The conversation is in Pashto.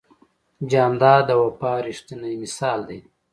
جانداد د وفا ریښتینی مثال دی.